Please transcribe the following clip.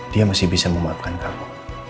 dia masih bisa memaafkan kamu